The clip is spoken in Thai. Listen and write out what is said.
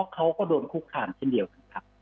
เขาก็โดนคุกขันทั้งเดียวกันครับ